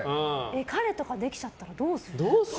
彼とかできちゃったらどうするの？